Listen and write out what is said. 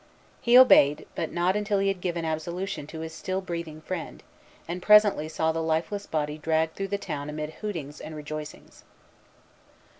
He obeyed but not until he had given absolution to his still breathing friend, and presently saw the lifeless body dragged through the town amid hootings and rejoicings.